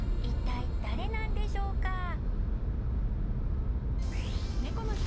一体誰なんでしょうか？